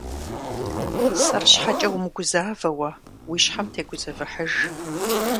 Сэр щхьэкӀэ умыгузавэ уэ, уи щхьэм тегузэвыхьыж.